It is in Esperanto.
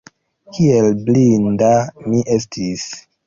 Kiel blinda mi estis!